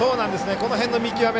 この辺の見極め